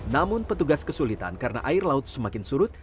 namun petugas kesulitan karena air laut semakin surut